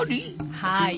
はい。